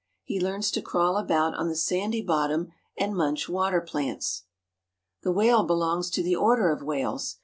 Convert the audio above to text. He learns to crawl about on the sandy bottom and munch water plants. The whale belongs to the Order of Whales.